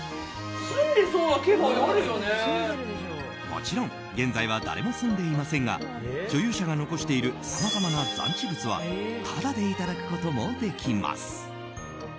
もちろん現在は誰も住んでいませんが所有者が残しているさまざまな残置物はただでいただくこともできます。